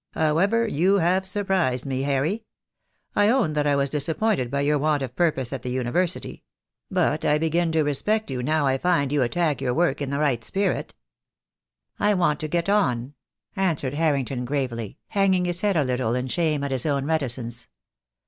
How ever, you have surprised me, Harry. I own that I was disappointed by your want of purpose at the University; but I begin to respect you now I find you attack your work in the right spirit." "I want to get on," answered Harrington gravely, hang ing his head a little in shame at his own reticence.